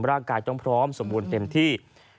ร่างกายต้องพร้อมสมบูรณ์เต็มที่